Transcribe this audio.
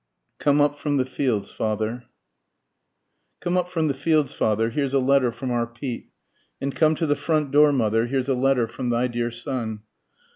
COME UP FROM THE FIELDS FATHER. Come up from the fields father, here's a letter from our Pete, And come to the front door mother, here's a letter from thy dear son.